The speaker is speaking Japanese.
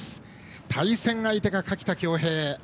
対戦相手が垣田恭兵。